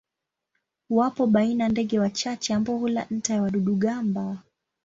Wapo baina ndege wachache ambao hula nta ya wadudu-gamba.